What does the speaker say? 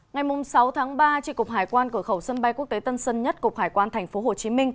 ngày sáu tháng ba tri cục hải quan cửa khẩu sân bay quốc tế tân sơn nhất cục hải quan tp hcm